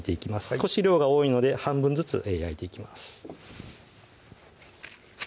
少し量が多いので半分ずつ焼いていきます